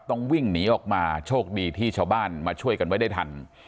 ต้องวิ่งหนีออกมาโชคดีที่ชาวบ้านมาช่วยกันไว้ได้ทัน